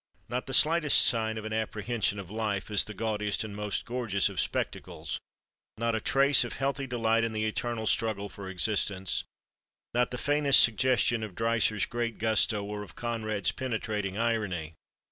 Not the slightest sign of an apprehension of life as the gaudiest and most gorgeous of spectacles—not a trace of healthy delight in the eternal struggle for existence—not the faintest suggestion of Dreiser's great gusto or of Conrad's penetrating irony!